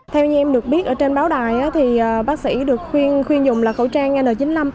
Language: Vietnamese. theo như em được biết ở trên báo đài thì bác sĩ được khuyên khuyên dùng là khẩu trang n chín mươi năm